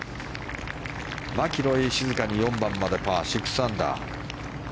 マキロイ、静かに４番までパーで６アンダー。